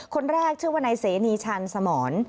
คนแรกชื่อว่านายเสนีชันสมร